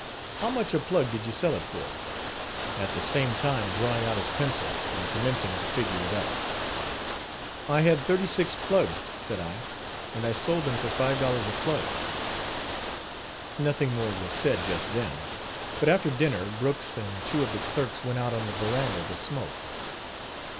How much a plug did you sell it for?" at the same time drawing out his pencil and commencing to figure it up. "I had thirty six plugs," said I, "and I sold them for five dollars a plug." Nothing more was said just then, but after dinner Brooks and two of the clerks went out on the veranda to smoke.